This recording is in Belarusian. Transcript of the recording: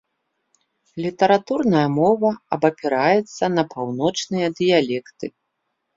Літаратурная мова абапіраецца на паўночныя дыялекты.